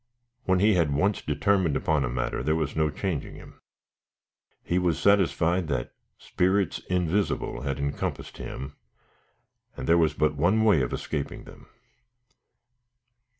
When he had once determined upon a matter there was no changing him. He was satisfied that "spirits invisible" had encompassed him, and there was but one way of escaping them.